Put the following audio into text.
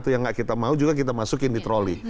yang tidak kita mau juga kita masukkan di trolley